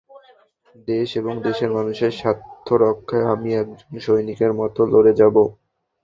দেশ এবং দেশের মানুষের স্বার্থ রক্ষায় আমি একজন সৈনিকের মতো লড়ে যাব।